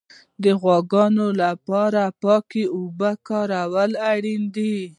د غواګانو لپاره پاکې اوبه ورکول اړین دي.